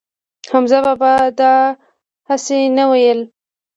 حمزه بابا دا هسې نه وييل